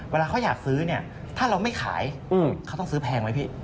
เวลาเขาอยากซื้อเนี่ยถ้าเราไม่ขายเขาต้องซื้อแพงไหมพี่